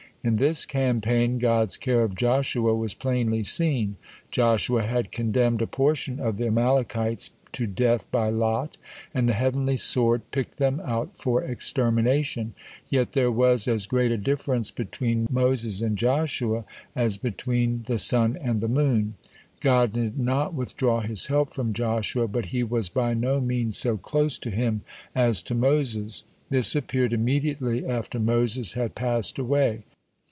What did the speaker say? (4) In this campaign God's care of Joshua was plainly seen. Joshua had condemned a portion of the Amalekites to death by lot, and the heavenly sword picked them out for extermination. (5) Yet there was as great a difference between Moses and Joshua as between the sun and the moon. (6) God did not withdraw His help from Joshua, but He was by no means so close to him as to Moses. This appeared immediately after Moses had passed away.